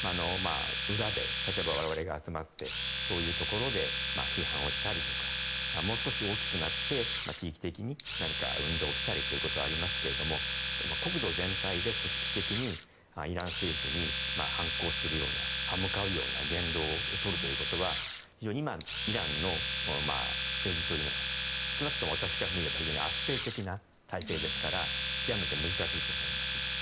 裏で例えば我々が集まってそういうところで批判をしたりとかもう少し大きくなって地域的に何か運動したりということはありますけど国土全体で組織的にイラン政府に反抗するような歯向かうような言動をとることは今のイランの政治というのは少なくとも私から見れば圧政的な体制ですから極めて難しいと思います。